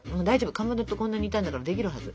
かまどとこんなにいたんだからできるはず。